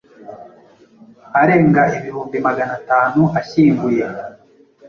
arenga ibihumbi magana tanu ashyinguye.